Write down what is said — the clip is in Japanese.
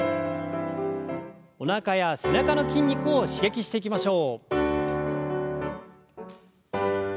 おなかや背中の筋肉を刺激していきましょう。